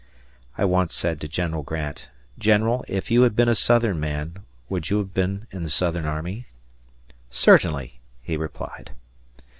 I once said to General Grant, "General, if you had been a Southern man, would you have been in the Southern army?" "Certainly," he replied.